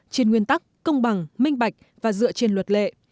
trên nguyên tắc công bằng minh bạch và dựa trên luật lệ